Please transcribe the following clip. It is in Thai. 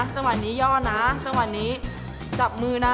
จำววรณีย่อนะจำวรณีจับมือนะ